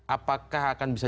apakah akan bisa